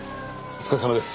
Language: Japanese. お疲れさまです